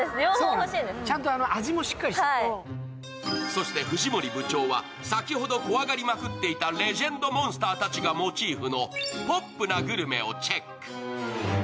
そして、藤森部長は先ほど怖がりまくっていたレジェンドモンスターたちがモチーフのポップなグルメをチェック。